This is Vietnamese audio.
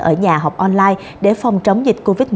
ở nhà học online để phòng chống dịch covid một mươi